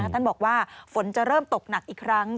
ท่านบอกว่าฝนจะเริ่มตกหนักอีกครั้ง